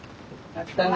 やったね。